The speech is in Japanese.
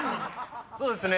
そうですね。